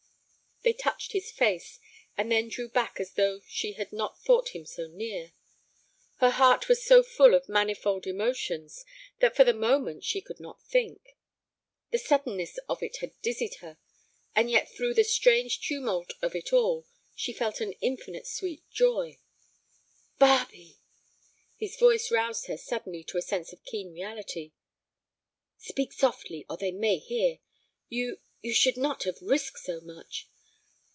They touched his face, and then drew back as though she had not thought him so near. Her heart was so full of manifold emotions that for the moment she could not think. The suddenness of it had dizzied her, and yet through the strange tumult of it all she felt an infinite sweet joy. "Barbe!" His voice roused her suddenly to a sense of keen reality. "Speak softly, or they may hear. You—you should not have risked so much."